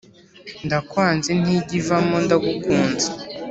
Ndakwanze ntijya ivamo ndagukunze.